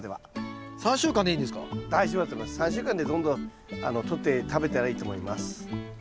３週間でどんどんとって食べたらいいと思います。